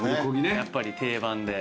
やっぱり定番で。